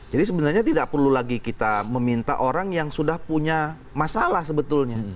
jadi sebenarnya tidak perlu lagi kita meminta orang yang sudah punya masalah sebetulnya